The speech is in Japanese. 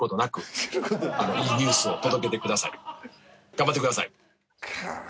頑張ってください。